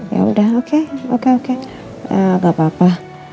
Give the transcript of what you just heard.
yaudah oke oke oke gak apa apa